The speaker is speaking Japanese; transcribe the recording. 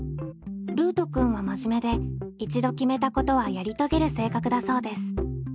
ルートくんはまじめで一度決めたことはやりとげる性格だそうです。